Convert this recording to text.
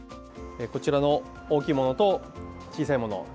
こちらの大きいものと小さいもの。